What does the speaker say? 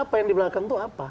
apa yang di belakang itu apa